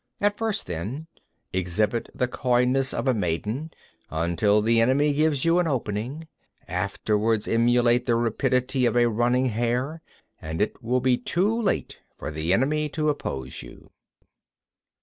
68. At first, then, exhibit the coyness of a maiden, until the enemy gives you an opening; afterwards emulate the rapidity of a running hare, and it will be too late for the enemy to oppose you.